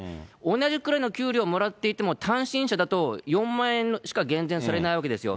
同じくらいの給料もらっていても、単身者だと４万円しか減税されないわけですよ。